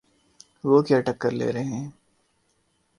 وہ کیا ٹکر لے رہے ہیں؟